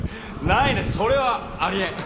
ないないそれはありえん！